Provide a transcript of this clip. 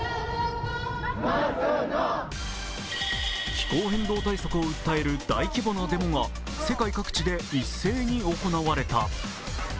気候変動対策を訴える大規模なデモが世界各地で一斉に行われた。